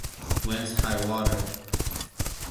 When's high water?